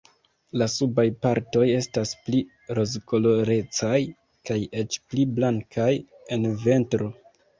La subaj partoj estas pli rozkolorecaj kaj eĉ pli blankaj en ventro.